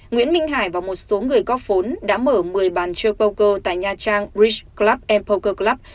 nguyễn minh hải và một số người có phốn đã mở một mươi bàn chơi poker tại nha trang bridge club poker club